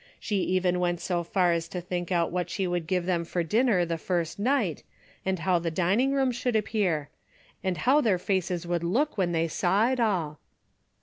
She even went so far as to think out what she would give them for dinner the first night, and how the dining room should appear — and how their faces would look when they saw it all.